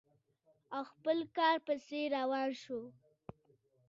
او خپل کار پسې روان شو.